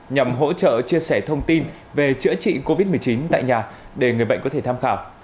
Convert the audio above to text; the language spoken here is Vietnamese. nhằm hỗ trợ chia sẻ thông tin về chữa trị covid một mươi chín tại nhà để người bệnh có thể tham khảo